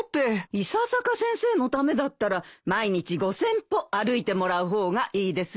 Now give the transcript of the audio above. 伊佐坂先生のためだったら毎日５，０００歩歩いてもらう方がいいですよ。